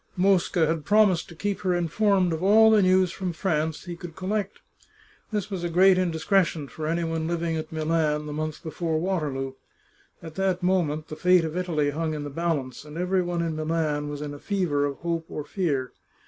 Mosca had promised to keep her informed of all the news from France he could collect. This was a great indiscretion for any one living at Milan the month before Waterloo. At that moment the fate of Italy hung in the balance, and every one in Milan was in a fever of hope or fear.